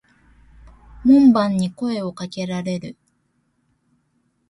門番に声を掛けられる。